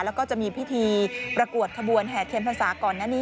แล้วก็จะมีพิธีประกวดขบวนแห่เทียนพรรษาก่อนหน้านี้